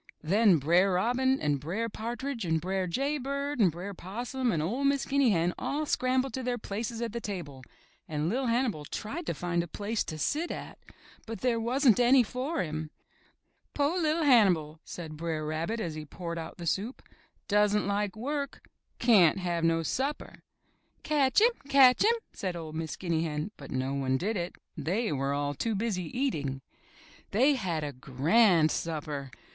Then Br*er Robin and Br*er Partridge and Br'er Jay Bird and Br'er Possum and 01' Miss Guinea Hen all scrambled to their places at the table and LiT Hannibal tried to find a place to sit at, but there wasn't any for him. *To' LiT Hannibal!" said Br'er Rabbit as he poured out the soup. *' Doesn't like work. Cyan't have no supper!" Catch him! Catch him!" said 01' Miss Guinea Hen, but no one did it. They were all too busy eating. They had a grand supper.